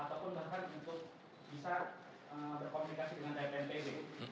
ataupun bahkan untuk bisa berkomunikasi dengan tpnpb